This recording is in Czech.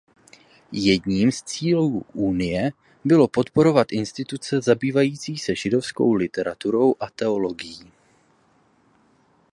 Jedním z cílů Unie bylo podporovat instituce zabývající se židovskou literaturou a teologií.